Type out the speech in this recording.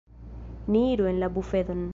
Ni iru en la bufedon.